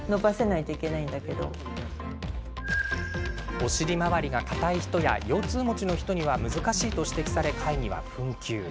お尻まわりが硬い人や腰痛持ちの人には難しいと指摘され会議は紛糾。